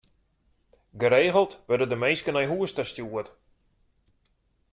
Geregeld wurde der minsken nei hûs ta stjoerd.